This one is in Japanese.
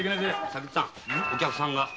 左吉さんお客さんが。